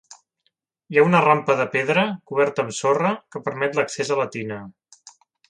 Hi ha una rampa de pedra, coberta amb sorra, que permet l'accés a la tina.